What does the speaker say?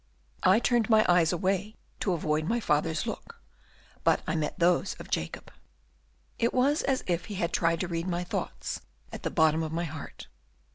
"I turned my eyes away to avoid my father's look; but I met those of Jacob. "It was as if he had tried to read my thoughts at the bottom of my heart.